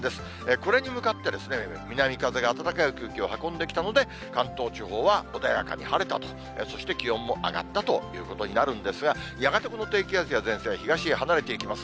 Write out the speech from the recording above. これに向かって南風が暖かい空気を運んできたので、関東地方は穏やかに晴れたと、そして気温も上がったということになるんですが、やがてこの低気圧や前線は東へ離れていきます。